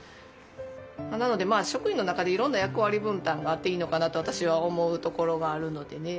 なので職員の中でいろんな役割分担があっていいのかなと私は思うところがあるのでね。